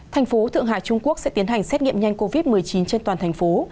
thành phố thượng hải trung quốc sẽ tiến hành xét nghiệm nhanh covid một mươi chín trên toàn thành phố